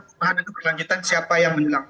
perlanjutan siapa yang menilai